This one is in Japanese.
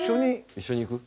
一緒に行く？